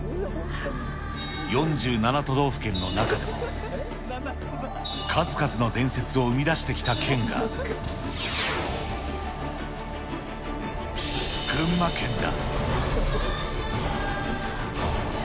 ４７都道府県の中でも、数々の伝説を生み出してきた県が、群馬県だ。